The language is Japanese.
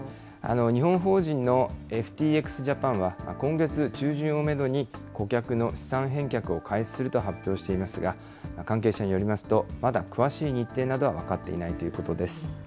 日本法人のＦＴＸジャパンは、今月中旬をメドに顧客の資産返却を開始すると発表していますが、関係者によりますと、まだ詳しい日程などは分かっていないということです。